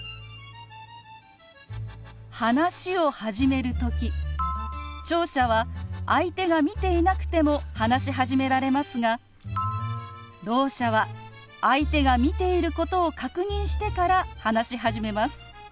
話を始める時聴者は相手が見ていなくても話し始められますがろう者は相手が見ていることを確認してから話し始めます。